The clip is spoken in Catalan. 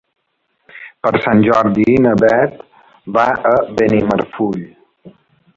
Per Sant Jordi na Beth va a Benimarfull.